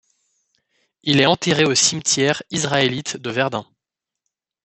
Il est enterré au cimetière israélite de Verdun.